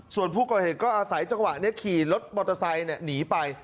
ส่วนผู้ก่อเหตุก็อาศัยจังหวะนี้ขี่รถมอเตอร์ไซค์หนีไป